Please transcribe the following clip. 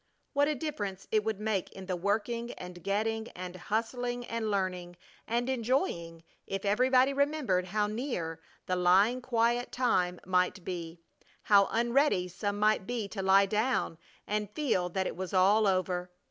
What a difference it would make in the working, and getting, and hustling, and learning, and enjoying if everybody remembered how near the lying quiet time might be! How unready some might be to lie down and feel that it was all over!